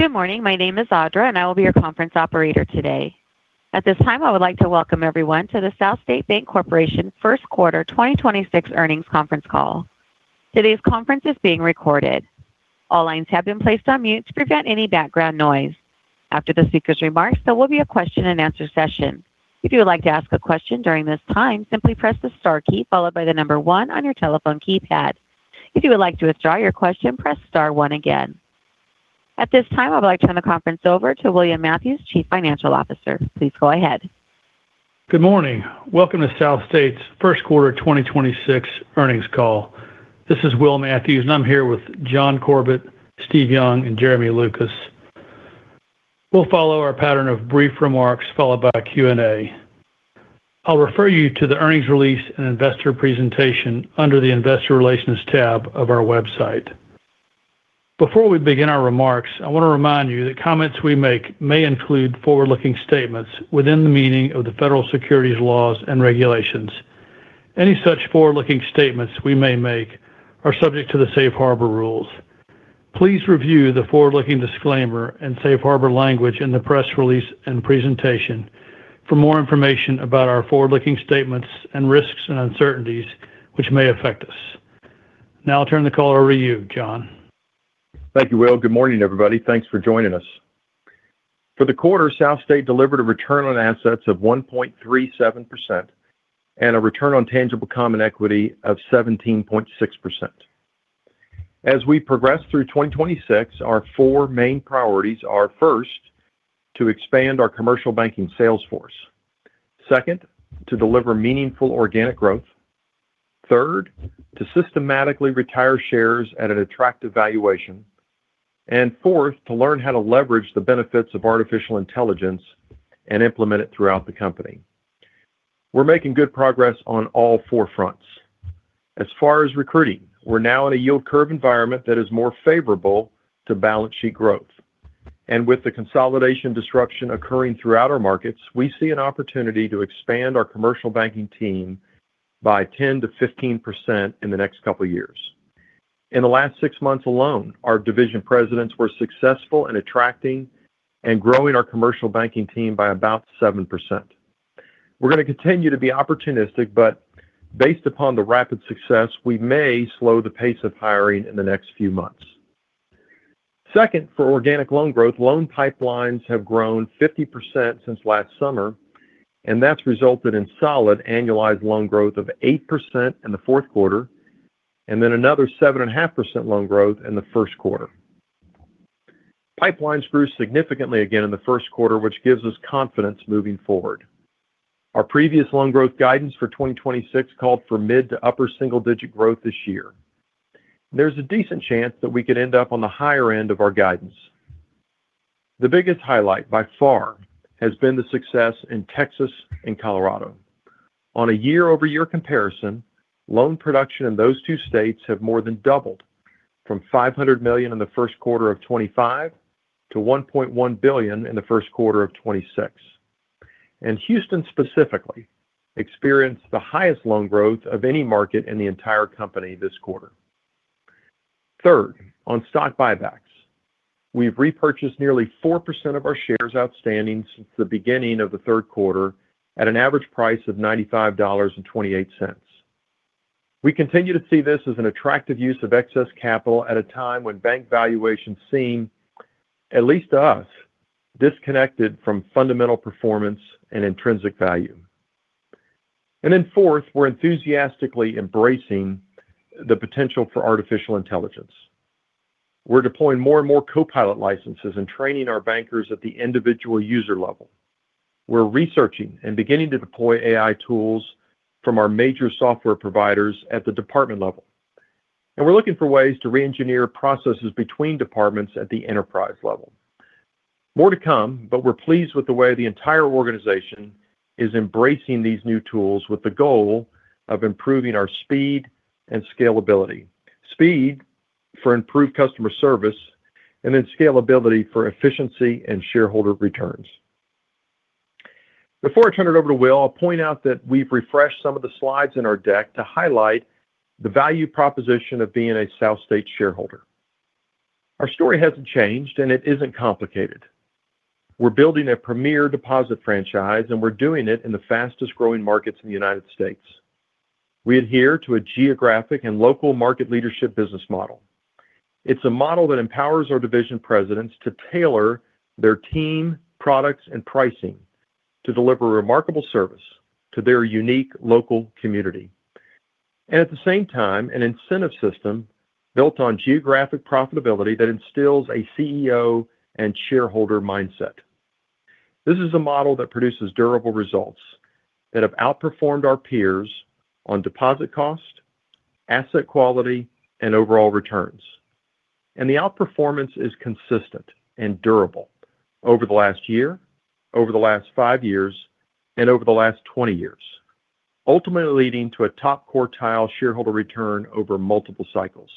Good morning. My name is Audra, and I will be your conference operator today. At this time, I would like to welcome everyone to the SouthState Corporation first quarter 2026 earnings conference call. Today's conference is being recorded. All lines have been placed on mute to prevent any background noise. After the speaker's remarks, there will be a question and answer session. If you would like to ask a question during this time, simply press the star key, followed by the number one on your telephone keypad. If you would like to withdraw your question, press star one again. At this time, I would like to turn the conference over to William Matthews, Chief Financial Officer. Please go ahead. Good morning. Welcome to SouthState's First Quarter 2026 earnings call. This is Will Matthews, and I'm here with John Corbett, Steve Young, and Jeremy Lucas. We'll follow our pattern of brief remarks followed by a Q&A. I'll refer you to the earnings release and investor presentation under the investor relations tab of our website. Before we begin our remarks, I want to remind you that comments we make may include forward-looking statements within the meaning of the federal securities laws and regulations. Any such forward-looking statements we may make are subject to the safe harbor rules. Please review the forward-looking disclaimer and safe harbor language in the press release and presentation for more information about our forward-looking statements and risks and uncertainties which may affect us. Now I'll turn the call over to you, John. Thank you, Will. Good morning, everybody. Thanks for joining us. For the quarter, SouthState delivered a return on assets of 1.37% and a return on tangible common equity of 17.6%. As we progress through 2026, our four main priorities are, first, to expand our commercial banking sales force. Second, to deliver meaningful organic growth. Third, to systematically retire shares at an attractive valuation. And fourth, to learn how to leverage the benefits of artificial intelligence and implement it throughout the company. We're making good progress on all four fronts. As far as recruiting, we're now in a yield curve environment that is more favorable to balance sheet growth. With the consolidation disruption occurring throughout our markets, we see an opportunity to expand our commercial banking team by 10%-15% in the next couple of years. In the last six months alone, our division presidents were successful in attracting and growing our commercial banking team by about 7%. We're going to continue to be opportunistic, but based upon the rapid success, we may slow the pace of hiring in the next few months. Second, for organic loan growth, loan pipelines have grown 50% since last summer, and that's resulted in solid annualized loan growth of 8% in the fourth quarter, and then another 7.5% loan growth in the first quarter. Pipelines grew significantly again in the first quarter, which gives us confidence moving forward. Our previous loan growth guidance for 2026 called for mid to upper single-digit growth this year. There's a decent chance that we could end up on the higher end of our guidance. The biggest highlight, by far, has been the success in Texas and Colorado. On a year-over-year comparison, loan production in those two states have more than doubled, from $500 million in the first quarter of 2025 to $1.1 billion in the first quarter of 2026. Houston specifically experienced the highest loan growth of any market in the entire company this quarter. Third, on stock buybacks. We've repurchased nearly 4% of our shares outstanding since the beginning of the third quarter at an average price of $95.28. We continue to see this as an attractive use of excess capital at a time when bank valuations seem, at least to us, disconnected from fundamental performance and intrinsic value. Fourth, we're enthusiastically embracing the potential for artificial intelligence. We're deploying more and more Copilot licenses and training our bankers at the individual user level. We're researching and beginning to deploy AI tools from our major software providers at the department level. We're looking for ways to reengineer processes between departments at the enterprise level. More to come, but we're pleased with the way the entire organization is embracing these new tools with the goal of improving our speed and scalability. Speed for improved customer service, and then scalability for efficiency and shareholder returns. Before I turn it over to Will, I'll point out that we've refreshed some of the slides in our deck to highlight the value proposition of being a SouthState shareholder. Our story hasn't changed, and it isn't complicated. We're building a premier deposit franchise, and we're doing it in the fastest-growing markets in the United States. We adhere to a geographic and local market leadership business model. It's a model that empowers our division presidents to tailor their team, products, and pricing to deliver remarkable service to their unique local community. At the same time, an incentive system built on geographic profitability that instills a CEO and shareholder mindset. This is a model that produces durable results that have outperformed our peers on deposit cost, asset quality, and overall returns. The outperformance is consistent and durable over the last year, over the last five years, and over the last 20 years, ultimately leading to a top quartile shareholder return over multiple cycles.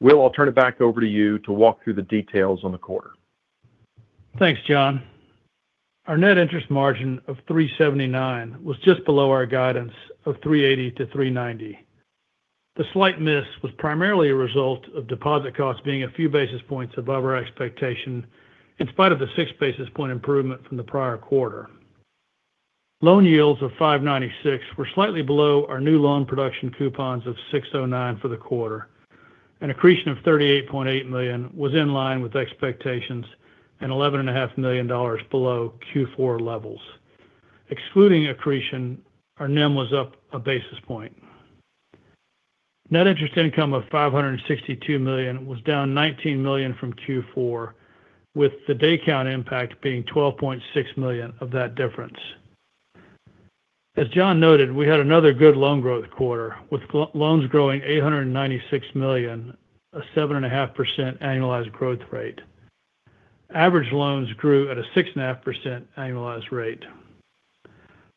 Will, I'll turn it back over to you to walk through the details on the quarter. Thanks, John. Our net interest margin of 3.79% was just below our guidance of 3.80%-3.90%. The slight miss was primarily a result of deposit costs being a few basis points above our expectation, in spite of the six basis point improvement from the prior quarter. Loan yields of 5.96% were slightly below our new loan production coupons of 6.09% for the quarter. An accretion of $38.8 million was in line with expectations and $11.5 million below Q4 levels. Excluding accretion, our NIM was up a basis point. Net interest income of $562 million was down $19 million from Q4, with the day count impact being $12.6 million of that difference. As John noted, we had another good loan growth quarter, with loans growing $896 million, a 7.5% annualized growth rate. Average loans grew at a 6.5% annualized rate.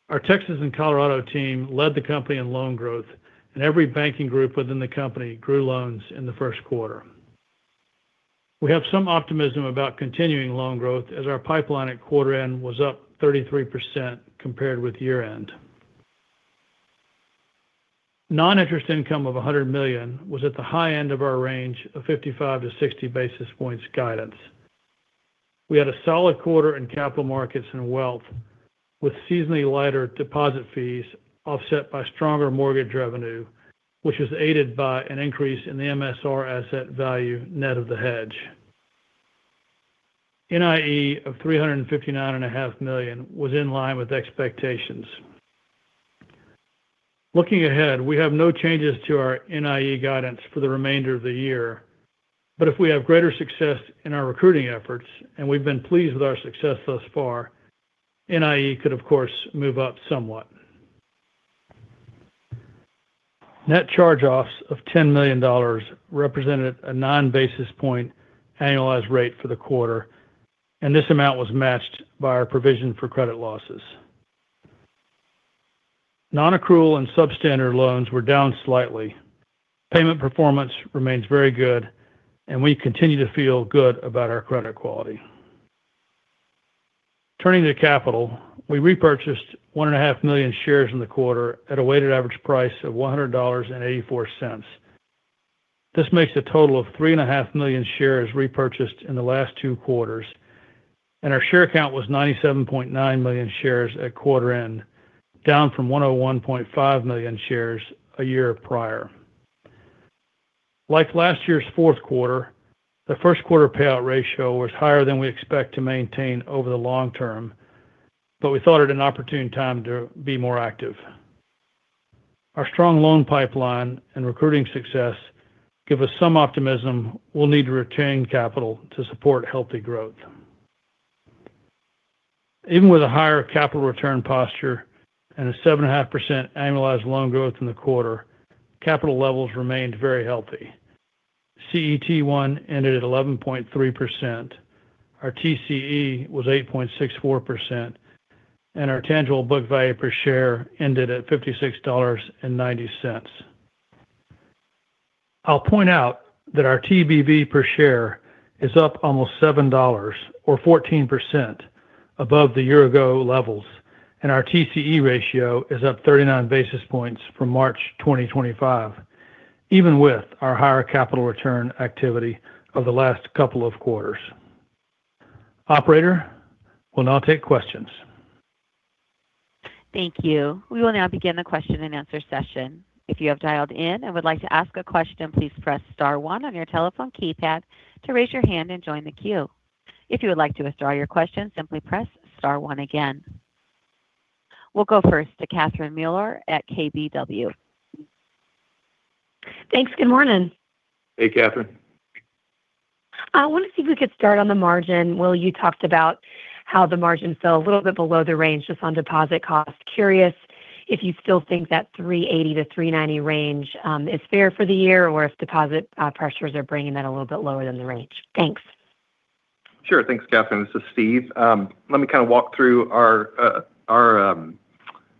Our Texas and Colorado team led the company in loan growth, and every banking group within the company grew loans in the first quarter. We have some optimism about continuing loan growth as our pipeline at quarter end was up 33% compared with year end. Non-interest income of $100 million was at the high end of our range of 55 basis points-60 basis points guidance. We had a solid quarter in capital markets and wealth, with seasonally lighter deposit fees offset by stronger mortgage revenue, which was aided by an increase in the MSR asset value net of the hedge. NIE of $359.5 million was in line with expectations. Looking ahead, we have no changes to our NIE guidance for the remainder of the year. If we have greater success in our recruiting efforts, and we've been pleased with our success thus far, NIE could, of course, move up somewhat. Net charge-offs of $10 million represented a nine basis points annualized rate for the quarter, and this amount was matched by our provision for credit losses. Non-accrual and substandard loans were down slightly. Payment performance remains very good, and we continue to feel good about our credit quality. Turning to capital, we repurchased 1.5 million shares in the quarter at a weighted average price of $100.84. This makes a total of 3.5 million shares repurchased in the last two quarters, and our share count was 97.9 million shares at quarter end, down from 101.5 million shares a year prior. Like last year's fourth quarter, the first quarter payout ratio was higher than we expect to maintain over the long term, but we thought it an opportune time to be more active. Our strong loan pipeline and recruiting success give us some optimism we'll need to retain capital to support healthy growth. Even with a higher capital return posture and a 7.5% annualized loan growth in the quarter, capital levels remained very healthy. CET1 ended at 11.3%. Our TCE was 8.64%, and our tangible book value per share ended at $56.90. I'll point out that our TBV per share is up almost $7 or 14% above the year ago levels, and our TCE ratio is up 39 basis points from March 2025, even with our higher capital return activity of the last couple of quarters. Operator, we'll now take questions. Thank you. We will now begin the question and answer session. If you have dialed in and would like to ask a question, please press star one on your telephone keypad to raise your hand and join the queue. If you would like to withdraw your question, simply press star one again. We'll go first to Catherine Mealor at KBW. Thanks. Good morning. Hey, Catherine. I want to see if we could start on the margin. Will, you talked about how the margin fell a little bit below the range just on deposit cost. Curious if you still think that 380-390 range is fair for the year or if deposit pressures are bringing that a little bit lower than the range. Thanks. Sure. Thanks, Catherine. This is Steve. Let me kind of walk through our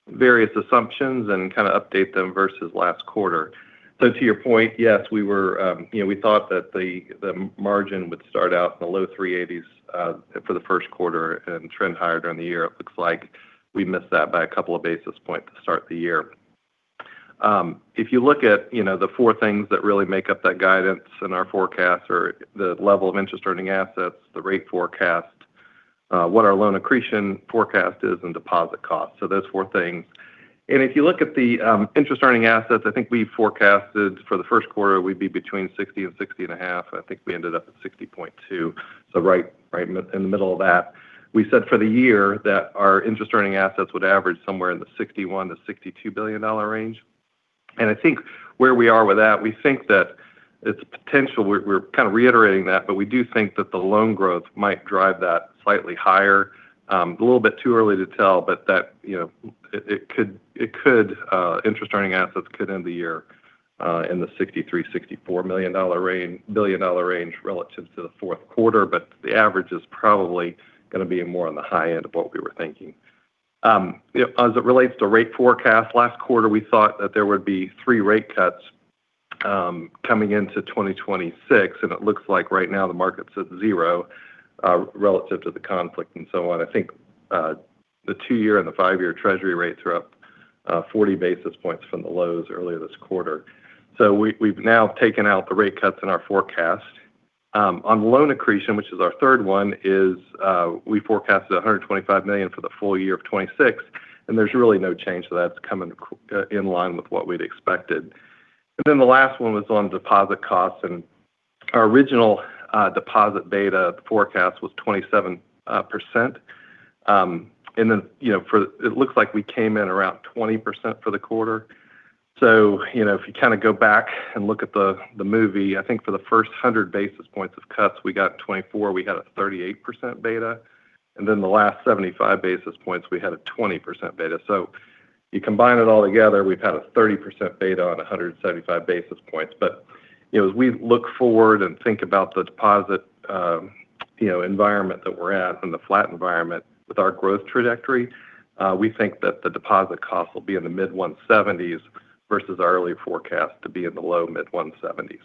various assumptions and kind of update them versus last quarter. To your point, yes, we thought that the margin would start out in the low 380s for the first quarter and trend higher during the year. It looks like we missed that by a couple of basis points to start the year. If you look at the four things that really make up that guidance in our forecast are the level of interest earning assets, the rate forecast, what our loan accretion forecast is and deposit costs. Those four things. If you look at the interest earning assets, I think we forecasted for the first quarter we'd be between $60 billion and $60.5 billion. I think we ended up at $60.2 billion, so right in the middle of that. We said for the year that our interest earning assets would average somewhere in the $61 billion-$62 billion range. I think where we are with that, we think that it's potential, we're kind of reiterating that, but we do think that the loan growth might drive that slightly higher. A little bit too early to tell, but interest earning assets could end the year in the $63 billion-$64 billion range relative to the fourth quarter. The average is probably going to be more on the high end of what we were thinking. As it relates to rate forecast, last quarter, we thought that there would be three rate cuts coming into 2026, it looks like right now the market's at zero relative to the conflict and so on. I think the two-year and the five-year Treasury rates are up 40 basis points from the lows earlier this quarter. We've now taken out the rate cuts in our forecast. On loan accretion, which is our third one, we forecasted $125 million for the full year of 2026, and there's really no change to that. It's coming in line with what we'd expected. Then the last one was on deposit costs, and our original deposit beta forecast was 27%. Then it looks like we came in around 20% for the quarter. If you go back and look at the movie, I think for the first 100 basis points of cuts, we got 24, we had a 38% beta, and then the last 75 basis points, we had a 20% beta. You combine it all together, we've had a 30% beta on 175 basis points. As we look forward and think about the deposit environment that we're at and the flat environment with our growth trajectory, we think that the deposit cost will be in the mid-170s versus our early forecast to be in the low mid-170s.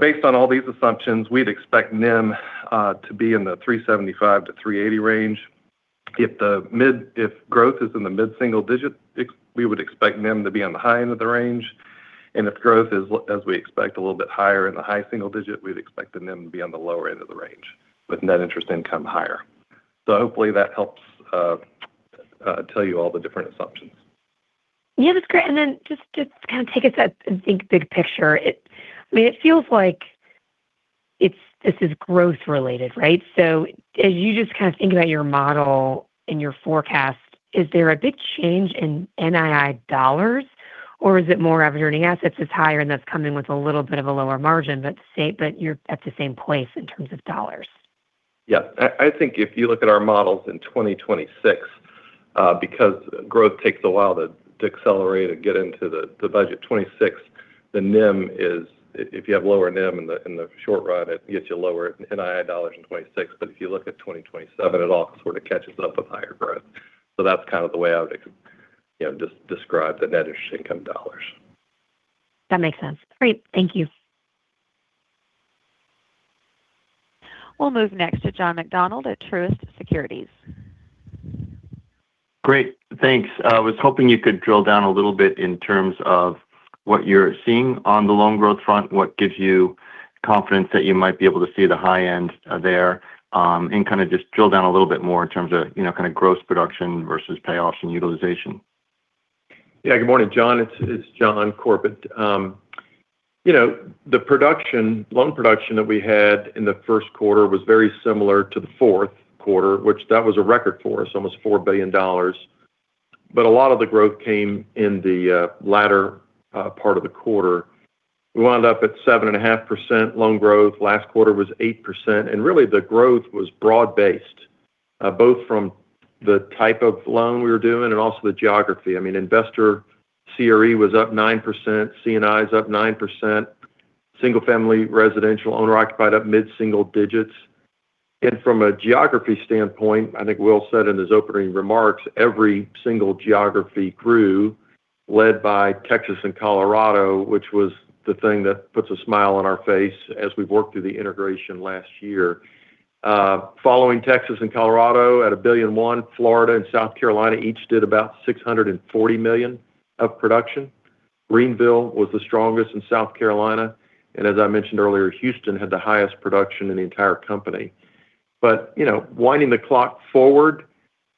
Based on all these assumptions, we'd expect NIM to be in the 375-380 range. If growth is in the mid-single digit, we would expect NIM to be on the high end of the range. If growth is as we expect, a little bit higher in the high single digit, we'd expect the NIM to be on the lower end of the range with net interest income higher. Hopefully that helps tell you all the different assumptions. Yeah, that's great. Just to take a step and think big picture, it feels like this is growth related, right? As you just think about your model and your forecast, is there a big change in NII dollars or is it more average earning assets is higher and that's coming with a little bit of a lower margin, but you're at the same place in terms of dollars? Yeah. I think if you look at our models in 2026, because growth takes a while to accelerate and get into the budget, 2026, the NIM is, if you have lower NIM in the short run, it gets you lower NII dollars in 2026. If you look at 2027, it all sort of catches up with higher growth. That's kind of the way I would describe the net interest income dollars. That makes sense. Great. Thank you. We'll move next to John McDonald at Truist Securities. Great. Thanks. I was hoping you could drill down a little bit in terms of what you're seeing on the loan growth front. What gives you confidence that you might be able to see the high end there? Kind of just drill down a little bit more in terms of gross production versus payoffs and utilization. Yeah. Good morning, John. It's John Corbett. The loan production that we had in the first quarter was very similar to the fourth quarter, which was a record for us, almost $4 billion. A lot of the growth came in the latter part of the quarter. We wound up at 7.5% loan growth. Last quarter was 8%. Really the growth was broad-based, both from the type of loan we were doing and also the geography. Investor CRE was up 9%, C&I's up 9%, single family residential owner occupied up mid-single digits. From a geography standpoint, I think Will said in his opening remarks, every single geography grew, led by Texas and Colorado, which was the thing that puts a smile on our face as we've worked through the integration last year. Following Texas and Colorado at $1.1 billion, Florida and South Carolina each did about $640 million of production. Greenville was the strongest in South Carolina, and as I mentioned earlier, Houston had the highest production in the entire company. Winding the clock forward,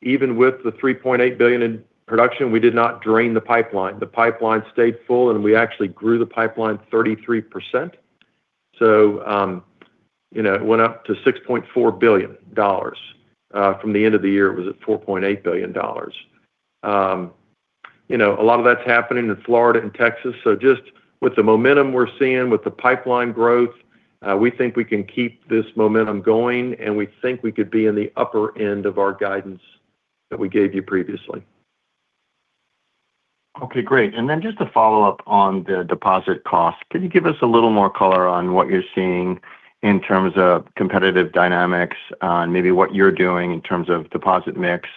even with the $3.8 billion in production, we did not drain the pipeline. The pipeline stayed full and we actually grew the pipeline 33%. It went up to $6.4 billion. From the end of the year, it was at $4.8 billion. A lot of that's happening in Florida and Texas. Just with the momentum we're seeing with the pipeline growth, we think we can keep this momentum going and we think we could be in the upper end of our guidance that we gave you previously. Okay, great. Just to follow up on the deposit cost, can you give us a little more color on what you're seeing in terms of competitive dynamics on maybe what you're doing in terms of deposit mix,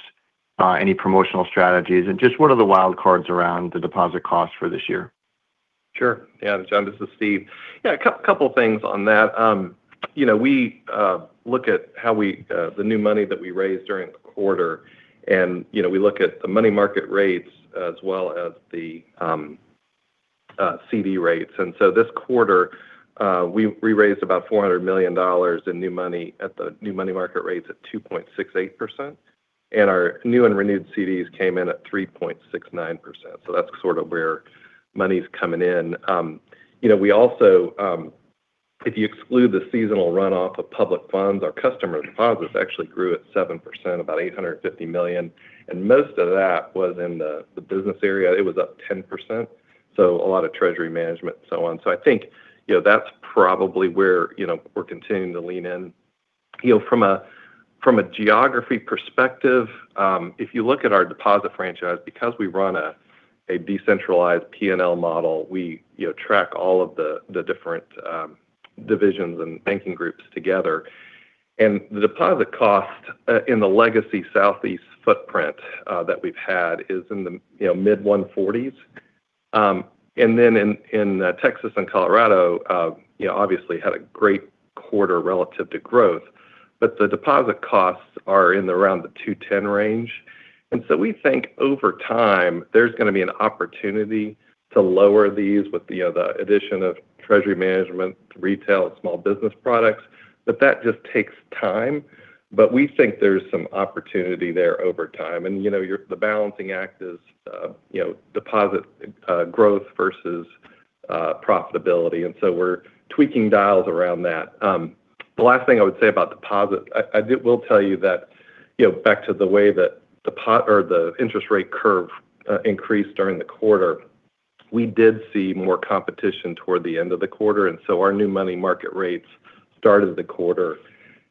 any promotional strategies, and just what are the wild cards around the deposit cost for this year? Sure. Yeah. John, this is Steve. Yeah, a couple things on that. We look at the new money that we raised during the quarter, and we look at the money market rates as well as the CD rates. This quarter, we raised about $400 million in new money at the new money market rates at 2.68%, and our new and renewed CDs came in at 3.69%. That's sort of where money's coming in. If you exclude the seasonal runoff of public funds, our customer deposits actually grew at 7%, about $850 million, and most of that was in the business area. It was up 10%, so a lot of treasury management and so on. I think that's probably where we're continuing to lean in. From a geography perspective, if you look at our deposit franchise, because we run a decentralized P&L model, we track all of the different divisions and banking groups together. The deposit cost in the legacy Southeast footprint that we've had is in the mid-140s. We obviously had a great quarter relative to growth in Texas and Colorado, but the deposit costs are around the 210 range. We think over time there's going to be an opportunity to lower these with the addition of treasury management, retail, and small business products. That just takes time. We think there's some opportunity there over time. The balancing act is deposit growth versus profitability, and we're tweaking dials around that. The last thing I would say about deposit. I will tell you that back to the way that the interest rate curve increased during the quarter, we did see more competition toward the end of the quarter, and so our new money market rates started the quarter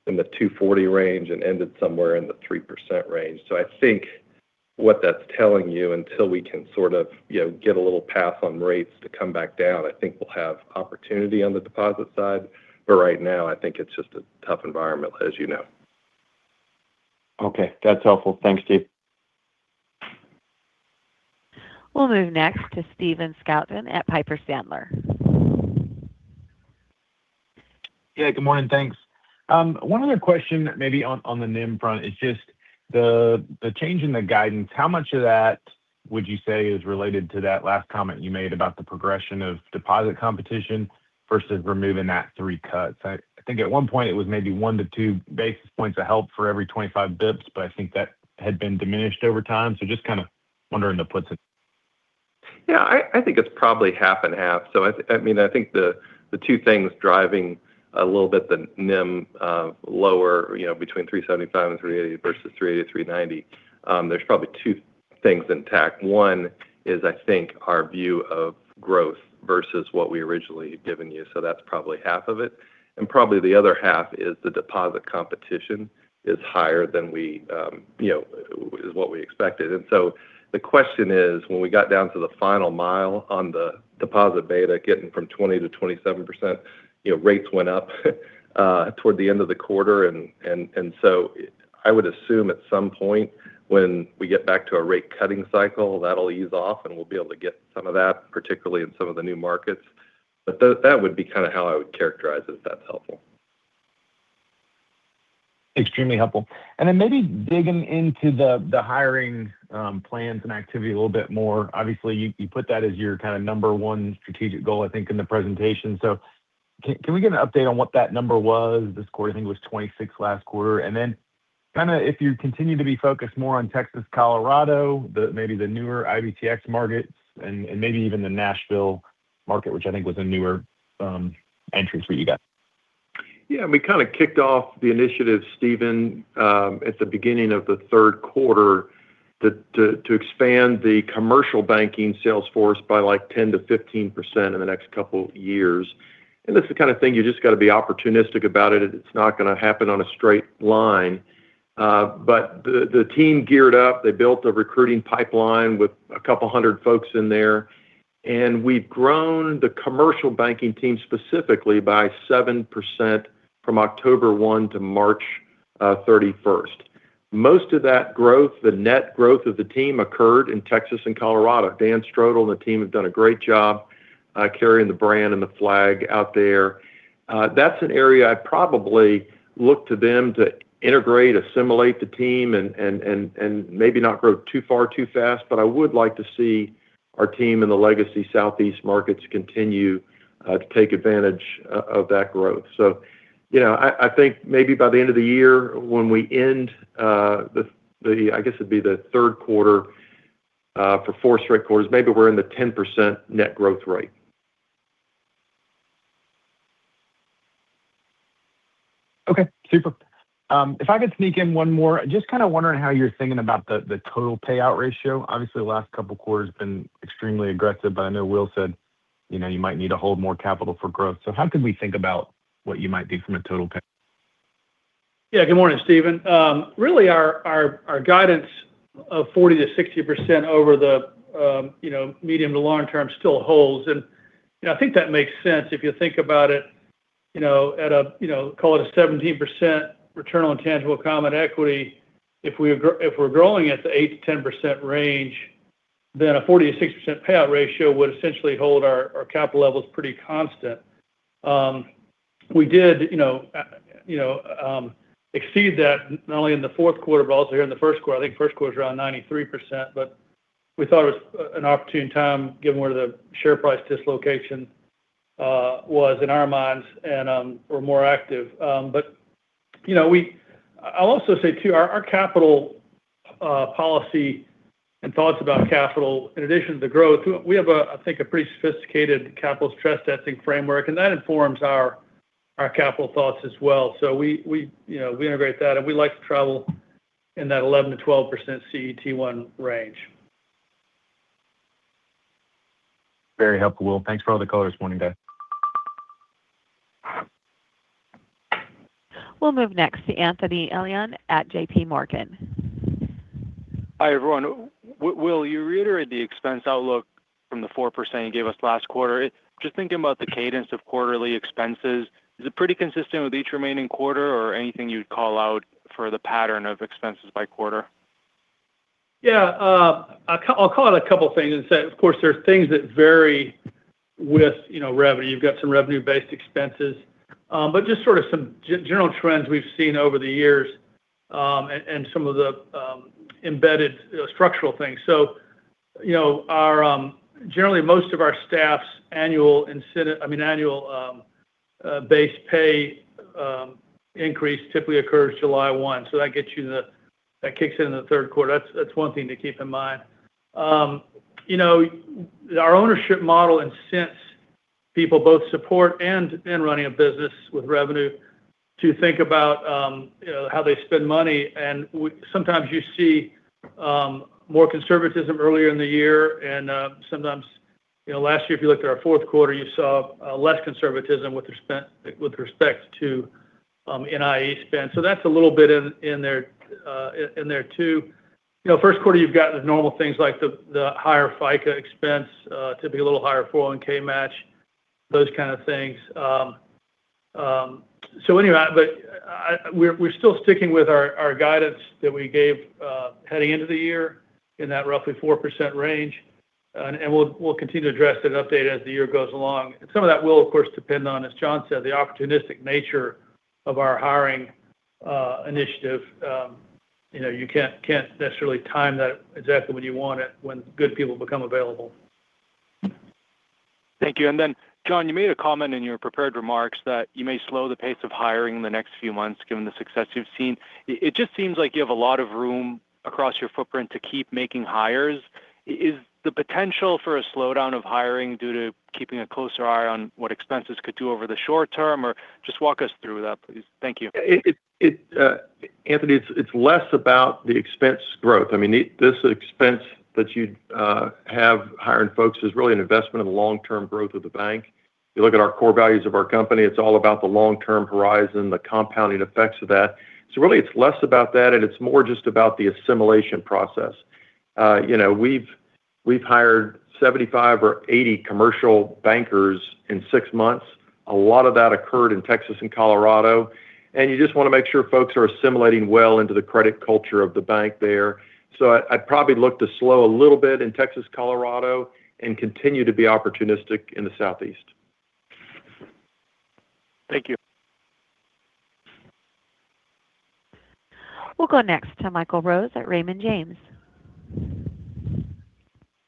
in the 2.40% range and ended somewhere in the 3% range. I think what that's telling you, until we can sort of get a little path on rates to come back down, I think we'll have opportunity on the deposit side. Right now, I think it's just a tough environment as you know. Okay. That's helpful. Thanks, Steve. We'll move next to Stephen Scouten at Piper Sandler. Yeah, good morning. Thanks. One other question maybe on the NIM front is just the change in the guidance, how much of that would you say is related to that last comment you made about the progression of deposit competition versus removing that three cuts? I think at one point it was maybe 1 basis points-2 basis points of help for every 25 basis points, but I think that had been diminished over time. Just kind of wondering the puts. Yeah, I think it's probably half and half. I think the two things driving a little bit the NIM lower between 375-380 versus 380-390, there's probably two things intact. One is, I think our view of growth versus what we originally had given you. That's probably half of it, and probably the other half is the deposit competition is higher than what we expected. The question is, when we got down to the final mile on the deposit beta getting from 20%-27%, rates went up toward the end of the quarter, and so I would assume at some point when we get back to a rate cutting cycle, that'll ease off and we'll be able to get some of that, particularly in some of the new markets. That would be kind of how I would characterize it if that's helpful. Extremely helpful. Then maybe digging into the hiring plans and activity a little bit more. Obviously, you put that as your kind of number one strategic goal, I think, in the presentation. Can we get an update on what that number was this quarter? I think it was 26 last quarter. Kind of if you continue to be focused more on Texas, Colorado, maybe the newer IBTX markets and maybe even the Nashville market, which I think was a newer entry for you guys. Yeah. We kind of kicked off the initiative, Stephen, at the beginning of the third quarter to expand the commercial banking sales force by 10%-15% in the next couple years. That's the kind of thing you just got to be opportunistic about it. It's not going to happen on a straight line. The team geared up. They built a recruiting pipeline with 200 folks in there, and we've grown the commercial banking team specifically by 7% from October 1 to March 31st. Most of that growth, the net growth of the team occurred in Texas and Colorado. Dan Strodel and the team have done a great job carrying the brand and the flag out there. That's an area I'd probably look to them to integrate, assimilate the team and maybe not grow too far too fast. I would like to see our team in the legacy Southeast markets continue to take advantage of that growth. I think maybe by the end of the year when we end, I guess it'd be the third quarter for four straight quarters, maybe we're in the 10% net growth rate. Okay. Super. If I could sneak in one more, just kind of wondering how you're thinking about the total payout ratio. Obviously, the last couple quarters have been extremely aggressive, but I know Will said you might need to hold more capital for growth. How could we think about what you might do from a total payout? Yeah. Good morning, Stephen. Really our guidance of 40%-60% over the medium to long term still holds, and I think that makes sense if you think about it, call it a 17% return on tangible common equity. If we're growing at the 8%-10% range, then a 40%-60% payout ratio would essentially hold our capital levels pretty constant. We did exceed that not only in the fourth quarter, but also here in the first quarter. I think first quarter is around 93%, but we thought it was an opportune time given where the share price dislocation was in our minds, and we're more active. I'll also say too, our capital policy and thoughts about capital, in addition to growth, we have I think a pretty sophisticated capital stress testing framework, and that informs our capital thoughts as well. We integrate that, and we like to travel in that 11%-12% CET1 range. Very helpful, Will. Thanks for all the color this morning, guys. We'll move next to Anthony Elian at JPMorgan. Hi, everyone. Will, you reiterate the expense outlook from the 4% you gave us last quarter. Just thinking about the cadence of quarterly expenses, is it pretty consistent with each remaining quarter or anything you'd call out for the pattern of expenses by quarter? Yeah. I'll call it a couple things and say, of course, there's things that vary with revenue. You've got some revenue-based expenses. Just sort of some general trends we've seen over the years, and some of the embedded structural things. Generally most of our staff's annual base pay increase typically occurs July 1. That kicks in in the third quarter. That's one thing to keep in mind. Our ownership model incents people both support and in running a business with revenue to think about how they spend money. Sometimes you see more conservatism earlier in the year and last year, if you looked at our fourth quarter, you saw less conservatism with respect to NIE spend. That's a little bit in there, too. First quarter, you've got the normal things like the higher FICA expense, typically a little higher 401(k) match, those kind of things. Anyway, we're still sticking with our guidance that we gave heading into the year in that roughly 4% range. We'll continue to address that update as the year goes along. Some of that will, of course, depend on, as John said, the opportunistic nature of our hiring initiative. You can't necessarily time that exactly when you want it, when good people become available. Thank you. John, you made a comment in your prepared remarks that you may slow the pace of hiring in the next few months given the success you've seen. It just seems like you have a lot of room across your footprint to keep making hires. Is the potential for a slowdown of hiring due to keeping a closer eye on what expenses could do over the short term? Or just walk us through that, please. Thank you. Anthony, it's less about the expense growth. This expense that you have hiring folks is really an investment in the long-term growth of the bank. If you look at our core values of our company, it's all about the long-term horizon, the compounding effects of that. Really, it's less about that, and it's more just about the assimilation process. We've hired 75 or 80 commercial bankers in six months. A lot of that occurred in Texas and Colorado, and you just want to make sure folks are assimilating well into the credit culture of the bank there. I'd probably look to slow a little bit in Texas, Colorado, and continue to be opportunistic in the Southeast. Thank you. We'll go next to Michael Rose at Raymond James.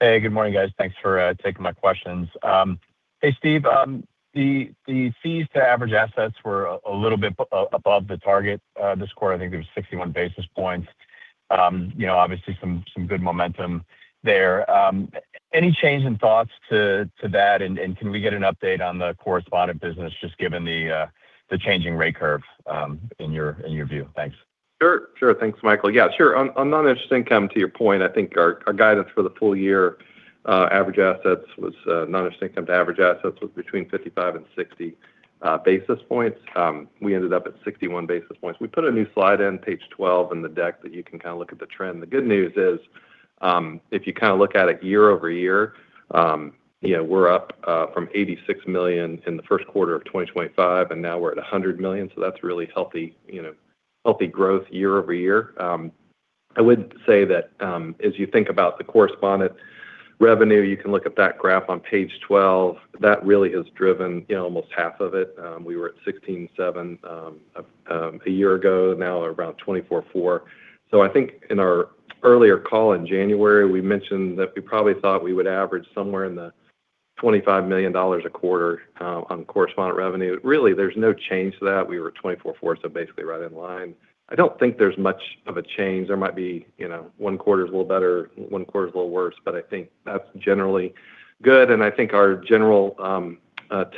Hey, good morning, guys. Thanks for taking my questions. Hey, Steve, the fees to average assets were a little bit above the target this quarter. I think it was 61 basis points. Obviously some good momentum there. Any change in thoughts to that, and can we get an update on the correspondent business, just given the changing rate curve in your view? Thanks. Sure. Thanks, Michael. Yeah, sure. On non-interest income, to your point, I think our guidance for the full year non-interest income to average assets was between 55-60 basis points. We ended up at 61 basis points. We put a new slide in, page 12 in the deck that you can kind of look at the trend. The good news is, if you kind of look at it year-over-year, we're up from $86 million in the first quarter of 2025, and now we're at $100 million. So that's really healthy growth year-over-year. I would say that as you think about the correspondent revenue, you can look at that graph on page 12. That really has driven almost half of it. We were at 16.7 a year ago, now around 24.4. I think in our earlier call in January, we mentioned that we probably thought we would average somewhere in the $25 million a quarter on correspondent revenue. Really, there's no change to that. We were $24.4 million, so basically right in line. I don't think there's much of a change. There might be one quarter's a little better, one quarter's a little worse. But I think that's generally good. I think our general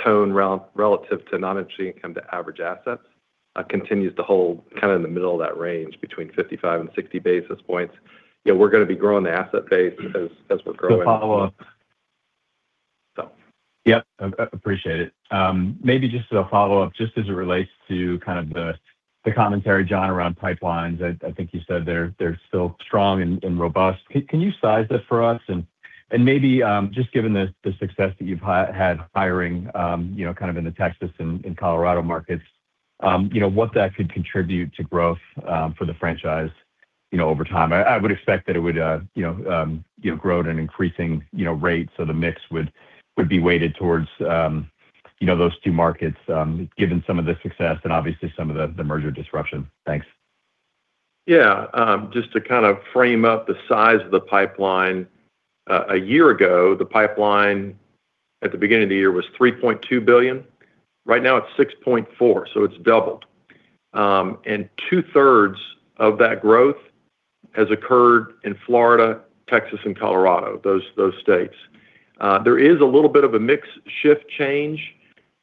tone relative to non-interest income to average assets continues to hold kind of in the middle of that range, between 55 basis points-60 basis points. We're going to be growing the asset base as we're growing. Yep, appreciate it. Maybe just as a follow-up, just as it relates to kind of the commentary, John, around pipelines. I think you said they're still strong and robust. Can you size that for us? Maybe just given the success that you've had hiring kind of in the Texas and Colorado markets, what that could contribute to growth for the franchise over time. I would expect that it would grow at an increasing rate. The mix would be weighted towards those two markets given some of the success and obviously some of the merger disruption. Thanks. Yeah. Just to kind of frame up the size of the pipeline. A year ago, the pipeline at the beginning of the year was $3.2 billion. Right now it's $6.4 billion, so it's doubled. Two-thirds of that growth has occurred in Florida, Texas, and Colorado, those states. There is a little bit of a mix shift change.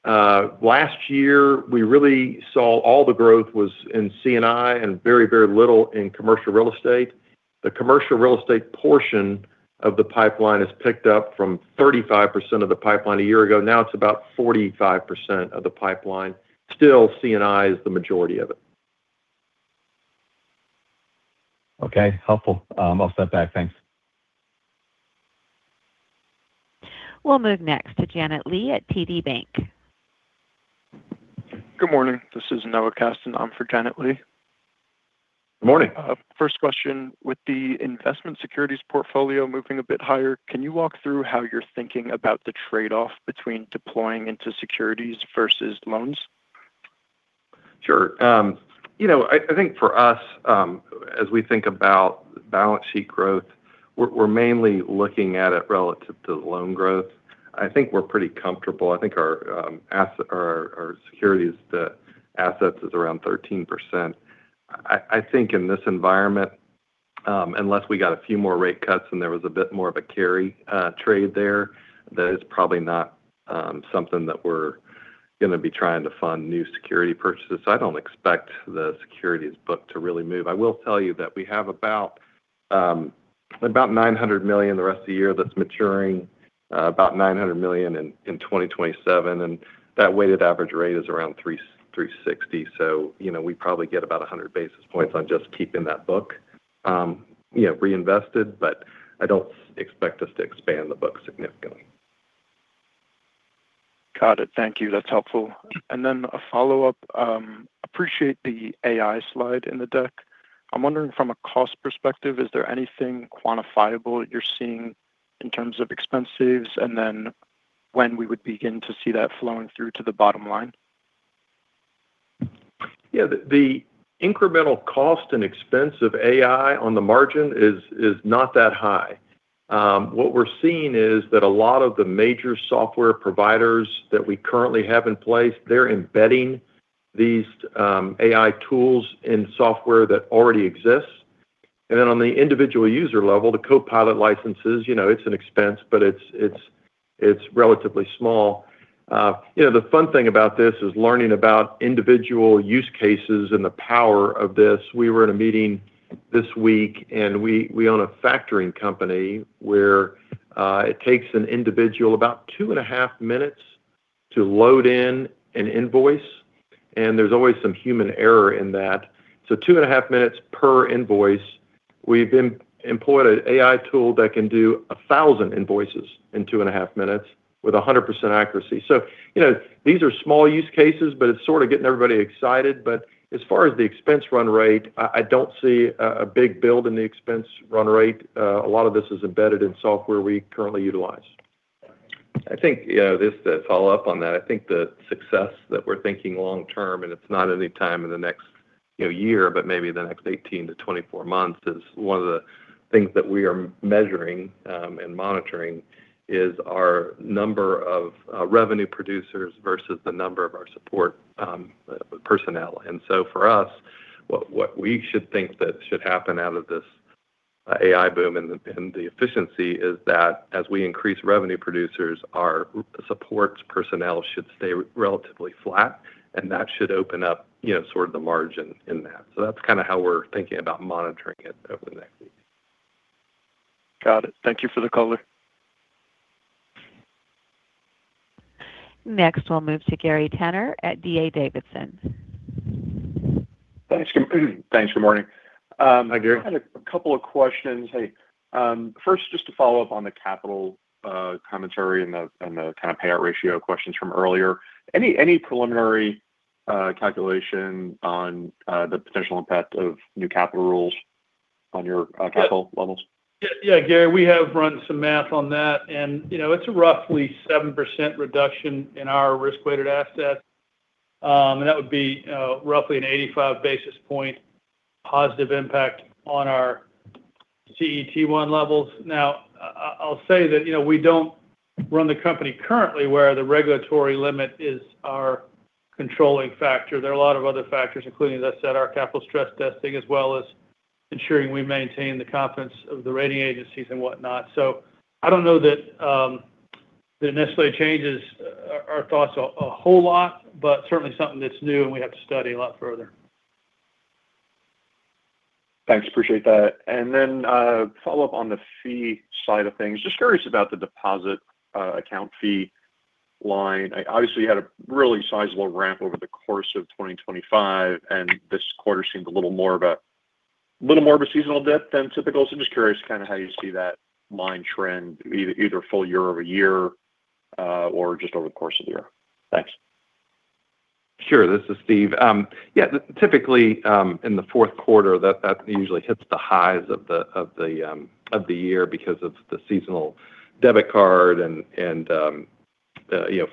Last year, we really saw all the growth was in C&I and very little in commercial real estate. The commercial real estate portion. The pipeline has picked up from 35% of the pipeline a year ago. Now it's about 45% of the pipeline. Still, C&I is the majority of it. Okay, helpful. I'll step back. Thanks. We'll move next to Janet Lee at TD Cowen. Good morning. This is Noah Kasten on for Janet Lee. Morning. First question, with the investment securities portfolio moving a bit higher, can you walk through how you're thinking about the trade-off between deploying into securities versus loans? Sure. I think for us, as we think about balance sheet growth, we're mainly looking at it relative to loan growth. I think we're pretty comfortable. I think our securities to assets is around 13%. I think in this environment, unless we got a few more rate cuts and there was a bit more of a carry trade there, that is probably not something that we're going to be trying to fund new security purchases. I don't expect the securities book to really move. I will tell you that we have about $900 million the rest of the year that's maturing, about $900 million in 2027. That weighted average rate is around 360. We probably get about 100 basis points on just keeping that book reinvested. I don't expect us to expand the book significantly. Got it. Thank you. That's helpful. A follow-up. Appreciate the AI slide in the deck. I'm wondering from a cost perspective, is there anything quantifiable that you're seeing in terms of expenses? When we would begin to see that flowing through to the bottom line? Yeah. The incremental cost and expense of AI on the margin is not that high. What we're seeing is that a lot of the major software providers that we currently have in place, they're embedding these AI tools in software that already exists. And then on the individual user level, the Copilot licenses, it's an expense, but it's relatively small. The fun thing about this is learning about individual use cases and the power of this. We were in a meeting this week, and we own a factoring company where it takes an individual about two and a half minutes to load in an invoice, and there's always some human error in that. Two and a half minutes per invoice. We've employed an AI tool that can do 1,000 invoices in two and a half minutes with 100% accuracy. These are small use cases, but it's sort of getting everybody excited. As far as the expense run rate, I don't see a big build in the expense run rate. A lot of this is embedded in software we currently utilize. I think, yeah, this to follow up on that. I think the success that we're thinking long term, and it's not any time in the next year, but maybe the next 18-24 months, is one of the things that we are measuring and monitoring is our number of revenue producers versus the number of our support personnel. For us, what we should think that should happen out of this AI boom and the efficiency is that as we increase revenue producers, our support personnel should stay relatively flat, and that should open up sort of the margin in that. That's kind of how we're thinking about monitoring it over the next few years. Got it. Thank you for the color. Next, we'll move to Gary Tenner at D.A. Davidson. Thanks. Good morning. Hi, Gary. I had a couple of questions. Hey, first, just to follow up on the capital commentary and the kind of payout ratio questions from earlier. Any preliminary calculation on the potential impact of new capital rules on your capital levels? Yeah, Gary, we have run some math on that, and it's roughly 7% reduction in our risk-weighted assets. That would be roughly an 85 basis point positive impact on our CET1 levels. Now, I'll say that we don't run the company currently where the regulatory limit is our controlling factor. There are a lot of other factors, including, as I said, our capital stress testing, as well as ensuring we maintain the confidence of the rating agencies and whatnot. I don't know that it necessarily changes our thoughts a whole lot, but certainly something that's new and we have to study a lot further. Thanks. Appreciate that. Follow up on the fee side of things. Just curious about the deposit account fee line. Obviously, you had a really sizable ramp over the course of 2025, and this quarter seemed a little more of a seasonal dip than typical. I'm just curious kind of how you see that line trend, either full year-over-year or just over the course of the year. Thanks. Sure. This is Steve. Yeah. Typically, in the fourth quarter, that usually hits the highs of the year because of the seasonal debit card and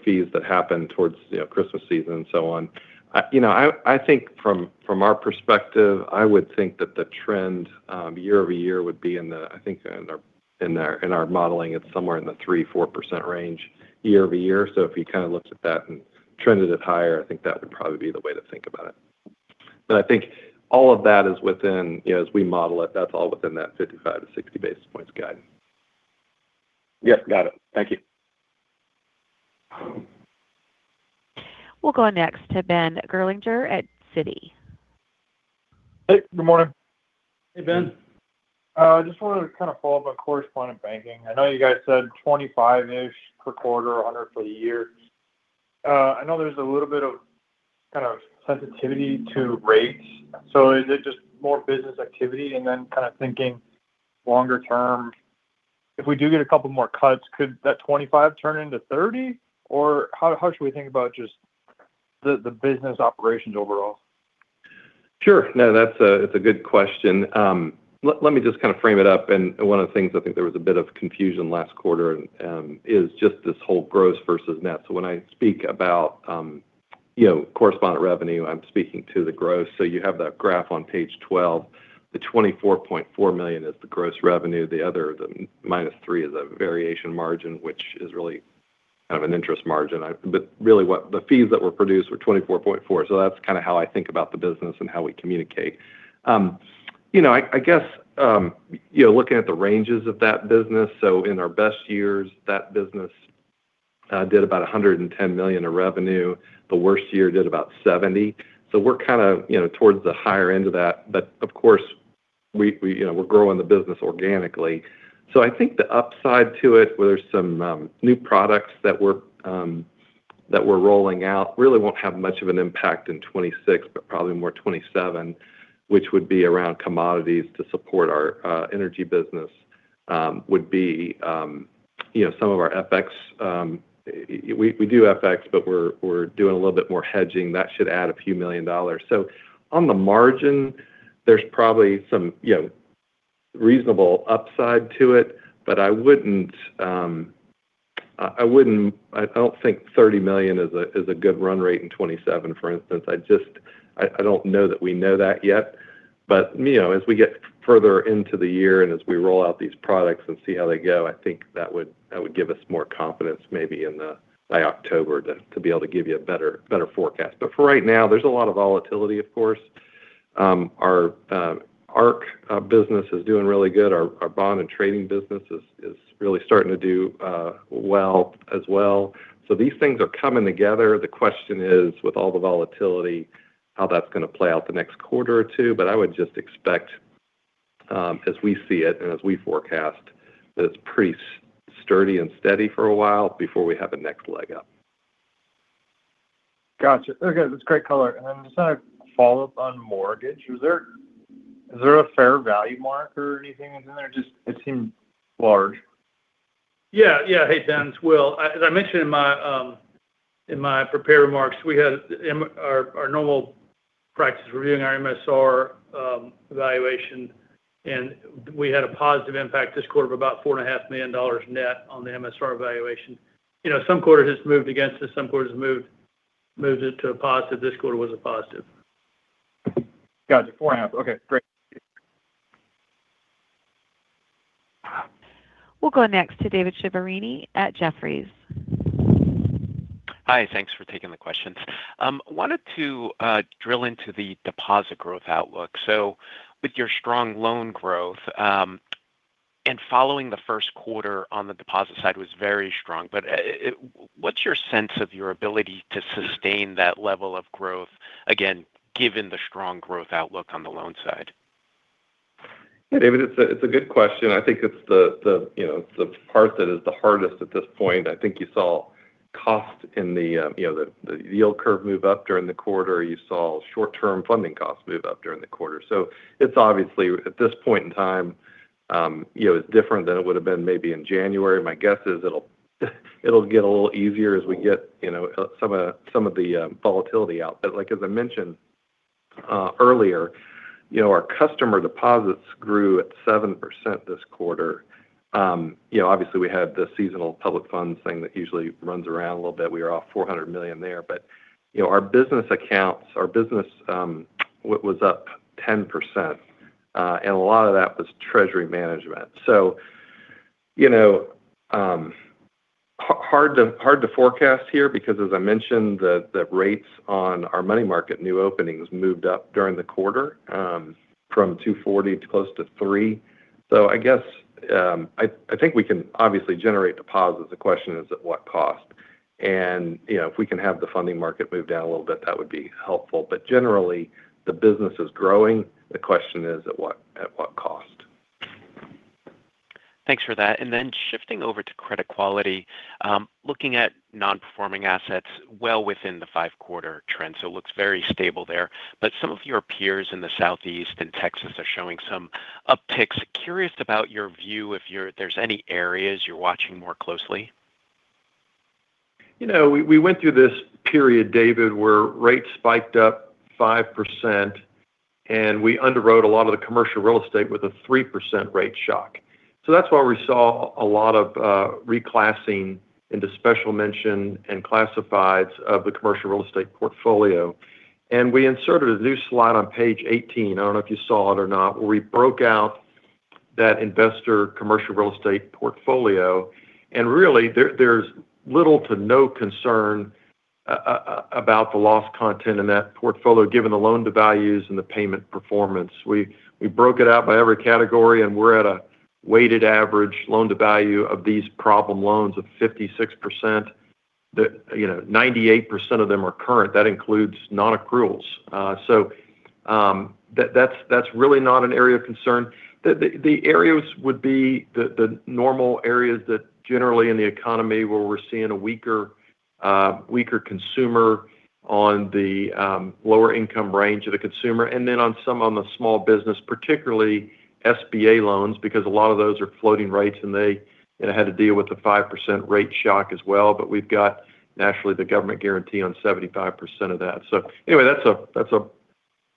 fees that happen towards Christmas season and so on. I think from our perspective, I would think that the trend year-over-year would be in the, I think, in our modeling, it's somewhere in the 3%-4% range year-over-year. If you kind of looked at that and trended it higher, I think that would probably be the way to think about it. I think all of that is within, as we model it, that's all within that 55 basis points-60 basis points guidance. Yes. Got it. Thank you. We'll go next to Ben Gerlinger at Citi. Hey, good morning. Hey, Ben. Just wanted to kind of follow up on correspondent banking. I know you guys said 25-ish per quarter, 100 for the year. I know there's a little bit of sensitivity to rates. Is it just more business activity? Then kind of thinking longer term, if we do get a couple more cuts, could that 25 turn into 30? Or how should we think about just the business operations overall? Sure. No, that's a good question. Let me just kind of frame it up. One of the things I think there was a bit of confusion last quarter, is just this whole gross versus net. When I speak about correspondent revenue, I'm speaking to the gross. You have that graph on page 12. The $24.4 million is the gross revenue. The other, the minus $3 million, is a variation margin, which is really kind of an interest margin. Really what the fees that were produced were $24.4 million. That's kind of how I think about the business and how we communicate. I guess, looking at the ranges of that business, so in our best years, that business did about $110 million of revenue. The worst year did about $70 million. We're kind of towards the higher end of that. Of course, we're growing the business organically. I think the upside to it, where there's some new products that we're rolling out, really won't have much of an impact in 2026, but probably more 2027, which would be around commodities to support our energy business, would be some of our FX. We do FX, but we're doing a little bit more hedging. That should add a few million dollars. On the margin, there's probably some reasonable upside to it, but I don't think $30 million is a good run rate in 2027, for instance. I don't know that we know that yet. As we get further into the year and as we roll out these products and see how they go, I think that would give us more confidence maybe by October to be able to give you a better forecast. For right now, there's a lot of volatility of course. Our ARC business is doing really good. Our bond and trading business is really starting to do well as well. These things are coming together. The question is, with all the volatility, how that's going to play out the next quarter or two. I would just expect, as we see it and as we forecast, that it's pretty sturdy and steady for a while before we have a next leg up. Got you. Okay. That's great color. Just want to follow up on mortgage. Is there a fair value mark or anything in there? Just, it seemed large. Yeah. Hey, Ben, it's Will. As I mentioned in my prepared remarks, we had our normal practice reviewing our MSR evaluation, and we had a positive impact this quarter of about $4.5 million net on the MSR evaluation. Some quarters it's moved against us, some quarters it's moved it to a positive. This quarter was a positive. Got you. 4.5. Okay, great. We'll go next to David Chiaverini at Jefferies. Hi. Thanks for taking the questions. I wanted to drill into the deposit growth outlook. With your strong loan growth, and following the first quarter on the deposit side was very strong. What's your sense of your ability to sustain that level of growth, again, given the strong growth outlook on the loan side? Yeah, David, it's a good question. I think it's the part that is the hardest at this point. I think you saw cost in the yield curve move up during the quarter. You saw short-term funding costs move up during the quarter. It's obviously, at this point in time, different than it would've been maybe in January. My guess is it'll get a little easier as we get some of the volatility out. As I mentioned earlier, our customer deposits grew at 7% this quarter. Obviously we had the seasonal public funds thing that usually runs around a little bit. We are off $400 million there. Our business accounts, our business was up 10%, and a lot of that was treasury management. Hard to forecast here because as I mentioned the rates on our money market new openings moved up during the quarter, from 240 to close to 3. I guess, I think we can obviously generate deposits. The question is at what cost? If we can have the funding market move down a little bit, that would be helpful. Generally the business is growing. The question is at what cost? Thanks for that. Shifting over to credit quality. Looking at non-performing assets well within the five-quarter trend. It looks very stable there. Some of your peers in the Southeast and Texas are showing some upticks. I'm curious about your view if there's any areas you're watching more closely. We went through this period, David, where rates spiked up 5%, and we underwrote a lot of the commercial real estate with a 3% rate shock. That's why we saw a lot of reclassing into special mention and classifieds of the commercial real estate portfolio. We inserted a new slide on page 18, I don't know if you saw it or not, where we broke out that investor commercial real estate portfolio. Really, there's little to no concern about the loss content in that portfolio, given the loan-to-values and the payment performance. We broke it out by every category, and we're at a Weighted average loan to value of these problem loans of 56% that 98% of them are current, that includes non-accruals. That's really not an area of concern. The areas would be the normal areas that generally in the economy where we're seeing a weaker consumer on the lower income range of the consumer, and then on some of the small business, particularly SBA loans, because a lot of those are floating rates, and they had to deal with the 5% rate shock as well, but we've got naturally the government guarantee on 75% of that. Anyway, that's a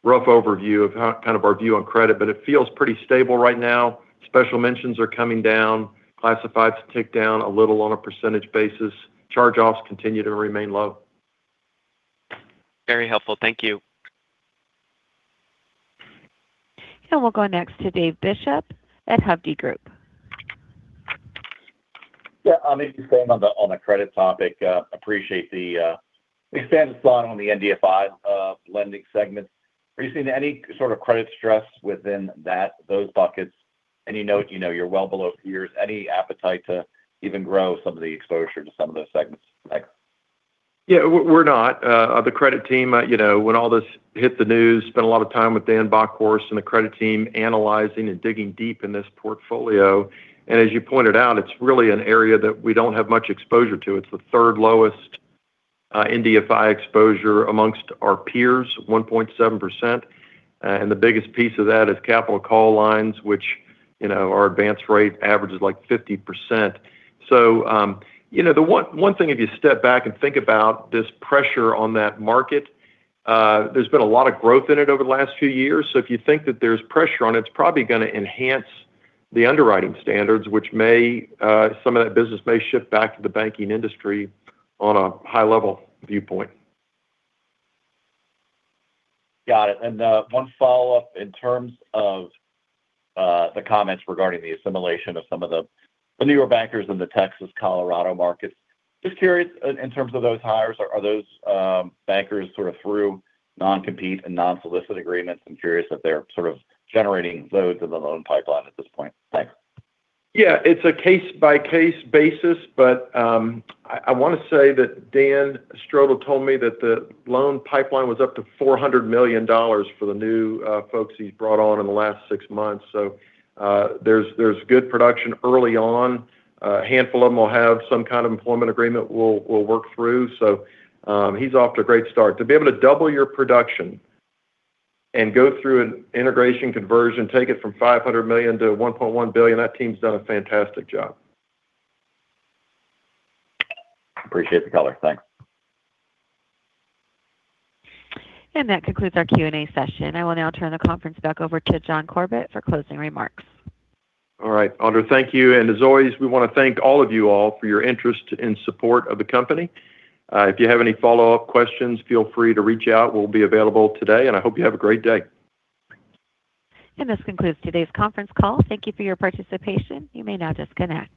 rough overview of kind of our view on credit, but it feels pretty stable right now. Special mentions are coming down, classifieds tick down a little on a percentage basis. Charge-offs continue to remain low. Very helpful. Thank you. We'll go next to David Bishop at Hovde Group. Yeah. If you stay on the credit topic, I appreciate the expanded thought on the NBFI lending segment. Are you seeing any sort of credit stress within those buckets? You know you're well below peers. Any appetite to even grow some of the exposure to some of those segments? Thanks. Yeah, we're not. The credit team, when all this hit the news, spent a lot of time with Daniel Bockhorst and the credit team analyzing and digging deep in this portfolio. As you pointed out, it's really an area that we don't have much exposure to. It's the third lowest NBFI exposure amongst our peers, 1.7%. The biggest piece of that is capital call lines, which our advance rate averages like 50%. The one thing if you step back and think about this pressure on that market, there's been a lot of growth in it over the last few years. If you think that there's pressure on it's probably going to enhance the underwriting standards, which some of that business may shift back to the banking industry on a high level viewpoint. Got it. One follow-up in terms of the comments regarding the assimilation of some of the newer bankers in the Texas-Colorado markets. Just curious in terms of those hires, are those bankers sort of through non-compete and non-solicit agreements? I'm curious if they're sort of generating loads in the loan pipeline at this point. Thanks. Yeah, it's a case-by-case basis, but I want to say that Dan Strodel told me that the loan pipeline was up to $400 million for the new folks he's brought on in the last six months. There's good production early on. A handful of them will have some kind of employment agreement we'll work through. He's off to a great start. To be able to double your production and go through an integration conversion, take it from $500 million to $1.1 billion, that team's done a fantastic job. Appreciate the color. Thanks. That concludes our Q&A session. I will now turn the conference back over to John Corbett for closing remarks. All right, Audra, thank you. As always, we want to thank all of you all for your interest and support of the company. If you have any follow-up questions, feel free to reach out. We'll be available today, and I hope you have a great day. This concludes today's conference call. Thank you for your participation. You may now disconnect.